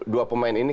dua pemain ini